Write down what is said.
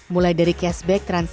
mulai dari cashback transaksi